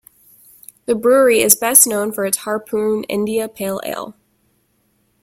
The brewery is best known for its Harpoon India Pale Ale.